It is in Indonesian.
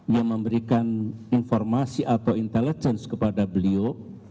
yang memberikan informasi atau intelligence kepada beliau